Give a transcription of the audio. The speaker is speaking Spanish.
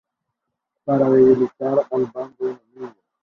Para debilitar al bando enemigo.